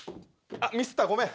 あっミスったごめん。